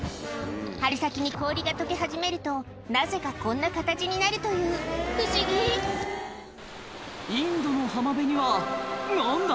春先に氷が解け始めるとなぜかこんな形になるという不思議インドの浜辺には何だ？